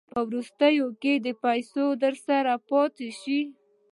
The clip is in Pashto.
په وروستیو کې که پیسې درسره پاته شوې